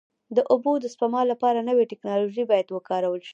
د اوبو د سپما لپاره نوې ټکنالوژي باید وکارول شي.